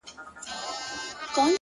• يو نه دی چي و تاته په سرو سترگو ژاړي،